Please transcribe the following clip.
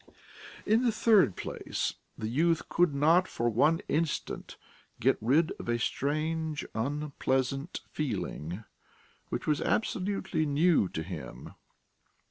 In the third place, the youth could not for one instant get rid of a strange, unpleasant feeling which was absolutely new to him....